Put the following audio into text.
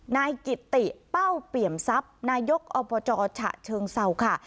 นายกิติเป้าเปี่ยมทรัพย์นายกอบจฉะเชิงเศร้าค่ะ